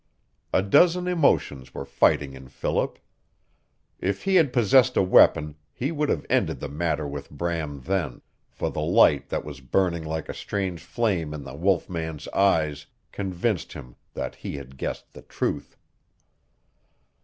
A dozen emotions were fighting in Philip. If he had possessed a weapon he would have ended the matter with Bram then, for the light that was burning like a strange flame in the wolf man's eyes convinced him that he had guessed the truth.